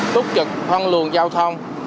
túc trực hoang lường giao thông